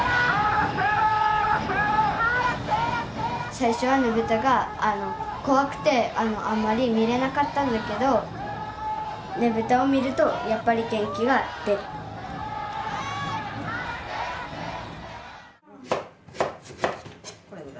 最初はねぶたが怖くてあんまり見れなかったんだけどねぶたを見るとやっぱり元気が出るラッセラッセラッセラー！